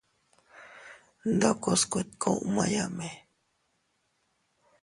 Ndokos kuetkumayame.